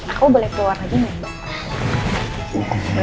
aku boleh keluar lagi nggak nih